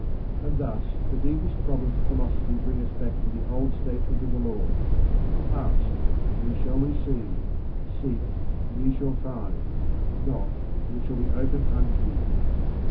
And thus the deepest problems of philosophy bring us back to the old statement of the Law: Ask and ye shall receive, seek and ye shall find, knock and it shall be opened unto you.